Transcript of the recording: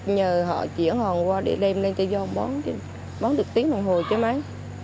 nhờ họ chuyển hòn qua để đem lên tây giang bón được tiếng đồng hồ chứ mấy